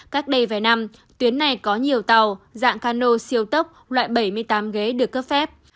cách đây vài năm tuyến này có nhiều tàu dạng cano siêu tốc loại bảy mươi tám ghế được cấp phép